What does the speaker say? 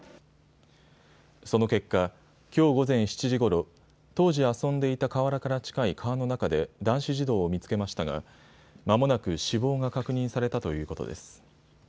その結果、きょう午前７時ごろ、当時、遊んでいた河原から近い川の中で男子児童を見つけましたがまもなく死亡が確認されたということです。